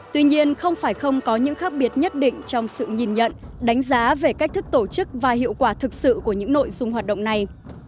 tuy nhiên không phải không có những khác biệt nhất định trong sự nhìn nhận đánh giá về cách thức tổ chức và hiệu quả thực sự của những nội dung hoạt động này